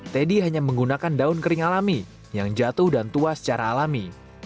teddy hanya menggunakan daun kering alami yang jatuh dan tua secara alami